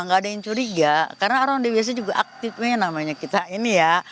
enggak ada yang curiga karena orang andai biasanya juga aktif ya namanya kita ini ya